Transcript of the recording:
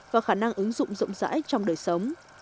và khả năng ứng dụng rộng rãi trong đời sống